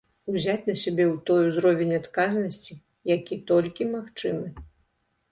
Узяць на сябе той узровень адказнасці, які толькі магчымы.